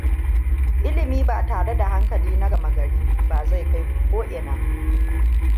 Ilimi ba tare da hankali na gama gari ba zai kai ku ko'ina.